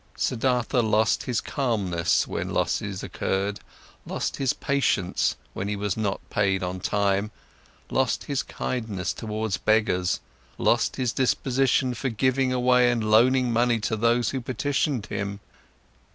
Siddhartha lost his calmness when losses occurred, lost his patience when he was not paid on time, lost his kindness towards beggars, lost his disposition for giving away and loaning money to those who petitioned him.